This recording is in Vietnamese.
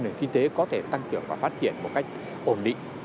nền kinh tế có thể tăng trưởng và phát triển một cách ổn định